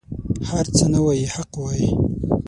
هر څه نه وايي حق وايي.